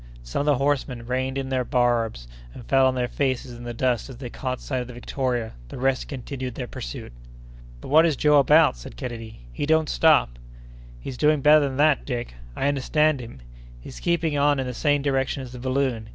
Some of the horsemen reined in their barbs, and fell on their faces in the dust as they caught sight of the Victoria; the rest continued their pursuit. "But what is Joe about?" said Kennedy; "he don't stop!" "He's doing better than that, Dick! I understand him! He's keeping on in the same direction as the balloon.